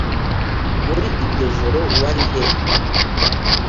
muri iryo joro wari he